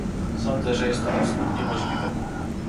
Sądzę, że jest to absolutnie możliwe